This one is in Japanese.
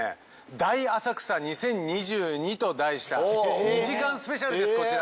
「大浅草２０２２」と題した２時間スペシャルですこちら。